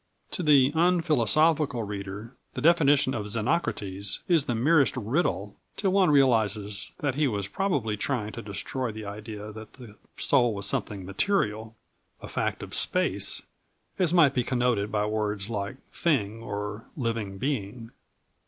To the unphilosophical reader the definition of Xenocrates is the merest riddle till one realises that he was probably trying to destroy the idea that the soul was something material, a fact of space, as might be connoted by words like "thing" or "living being."